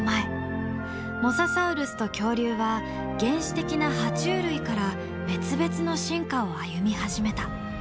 モササウルスと恐竜は原始的な爬虫類から別々の進化を歩み始めた。